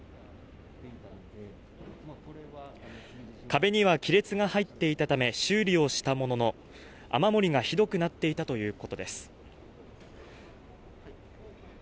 壁には亀裂が入っていたため修理をしたものの雨漏りがひどくなっていたということです